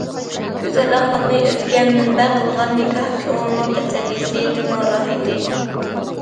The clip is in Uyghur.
گۈزەل ئەخلاقنى ئۆزىگە مەنبە قىلغان نىكاھ كۆڭۈلنىڭ تەسەللىسى، دىلنىڭ راھىتى.